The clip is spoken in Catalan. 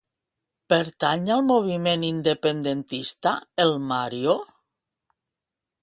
Pertany al moviment independentista el Mario?